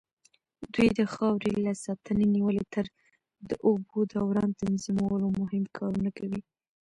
دوی د خاورې له ساتنې نيولې تر د اوبو دوران تنظيمولو مهم کارونه کوي.